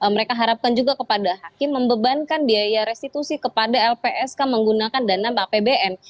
mereka harapkan juga kepada hakim membebankan biaya restitusi kepada lpsk menggunakan dana apbn